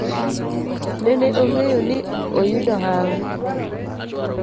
Nene ong'eyo ni oyudo hawi